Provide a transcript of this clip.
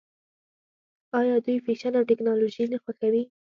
آیا دوی فیشن او ټیکنالوژي نه خوښوي؟